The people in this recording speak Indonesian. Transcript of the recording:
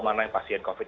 mana yang pasien covid